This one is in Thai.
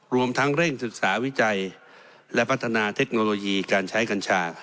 รวมทั้งเร่งศึกษาวิจัยและพัฒนาเทคโนโลยีการใช้กัญชา